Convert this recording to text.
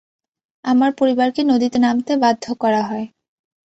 আমার পরিবারকে নদীতে নামতে বাধ্য করা হয়।